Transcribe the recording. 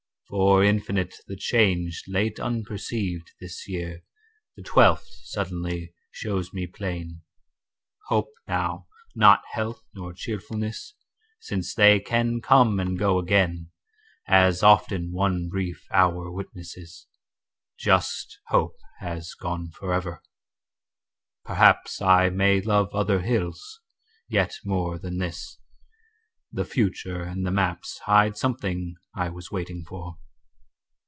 For infinite The change, late unperceived, this year, The twelfth, suddenly, shows me plain. Hope now, not health nor cheerfulness, Since they can come and go again, As often one brief hour witnesses, Just hope has gone forever. Perhaps I may love other hills yet more Than this: the future and the maps Hide something I was waiting for.